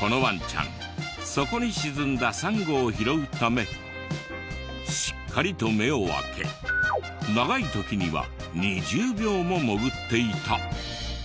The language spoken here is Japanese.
このワンちゃん底に沈んだサンゴを拾うためしっかりと目を開け長い時には２０秒も潜っていた。